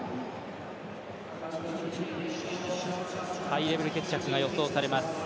ハイレベル決着が予想されます。